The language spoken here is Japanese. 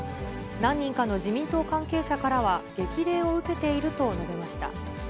何人かの自民党関係者からは、激励を受けていると述べました。